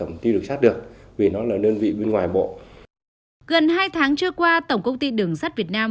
gần hai tháng trưa qua tổng công ty đường sắt việt nam